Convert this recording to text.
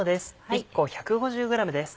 １個１５０ｇです。